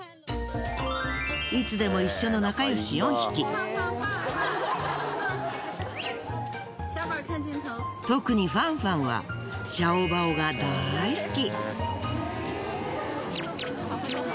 いつでも一緒の特にファンファンはシャオバオが大好き。